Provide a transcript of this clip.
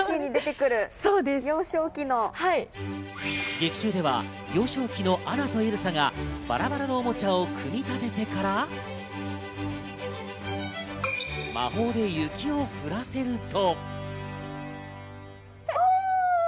劇中では幼少期のアナとエルサがバラバラのおもちゃを組み立ててから、魔法で雪を降らせると。